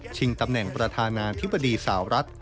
ตำแหน่งประธานาธิบดีสาวรัฐ